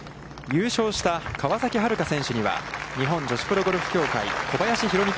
優勝した川崎春花選手には日本女子プロゴルフ協会小林浩美